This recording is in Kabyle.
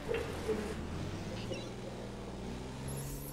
Anne d taqcict tamecṭuḥt.